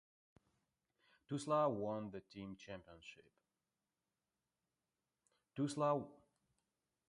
Tulsa won the team championship.